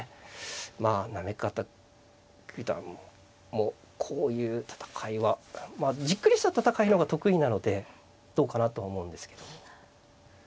まあ行方九段もこういう戦いはじっくりした戦いの方が得意なのでどうかなとは思うんですけど。